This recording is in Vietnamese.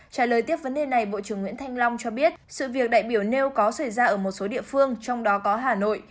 trả lời tiếp vấn đề này bộ trưởng nguyễn thanh long cho biết sự việc đại biểu nêu có xảy ra ở một số địa phương trong đó có hà nội